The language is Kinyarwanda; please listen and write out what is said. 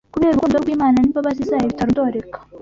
Kubera urukundo rw’Imana n’imbabazi zayo bitarondoreka